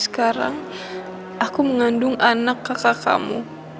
sekarang aku mengandung anak kakak kamu